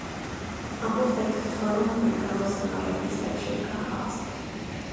Ambos textos fueron publicados en la revista checa Host.